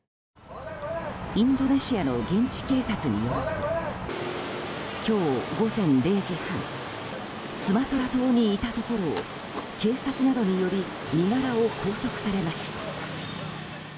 インドネシアの現地警察によると今日午前０時半スマトラ島にいたところを警察などにより身柄を拘束されました。